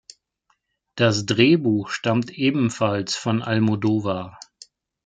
Das Drehbuch stammt ebenfalls von Almodóvar.